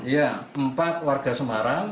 ya empat warga semarang